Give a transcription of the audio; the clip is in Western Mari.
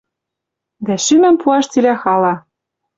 Дӓ шӱмӹм пуаш цилӓ хала.